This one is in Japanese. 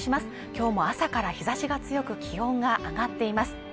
今日も朝から日差しが強く気温が上がっています